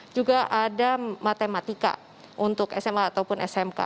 juga ada matematika untuk sma ataupun smk